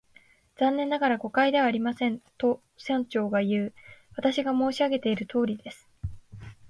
「残念ながら、誤解ではありません」と、村長がいう。「私が申し上げているとおりです」